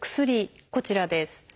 こちらです。